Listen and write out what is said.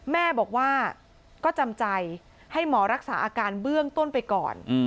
แม่บอกว่าก็จำใจให้หมอรักษาอาการเบื้องต้นไปก่อน